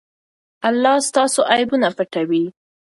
الله ستاسو عیبونه پټوي.